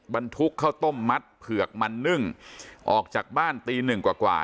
บรรทุกข้าวต้มมัดเผือกมันนึ่งออกจากบ้านตีหนึ่งกว่ากว่า